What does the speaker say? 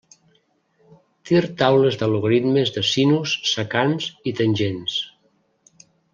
Tir taules de logaritmes de sinus, secants i tangents.